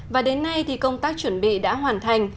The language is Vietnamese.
và đến nay thì công tác chuẩn bị đã hoàn thành